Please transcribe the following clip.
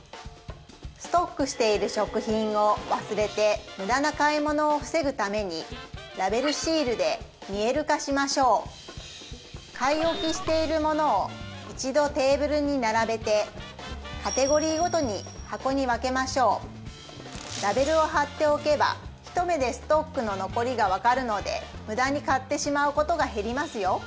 ストックしている食品を忘れて無駄な買い物を防ぐためにラベルシールで見える化しましょう買い置きしているものを一度テーブルに並べてカテゴリーごとに箱に分けましょうラベルを貼っておけば一目でストックの残りが分かるので無駄に買ってしまうことが減りますよ